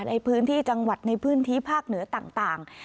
ในพื้นที่จังหวัดในพื้นที่ภาคเหนือต่าง